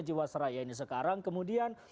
jiwasraya ini sekarang kemudian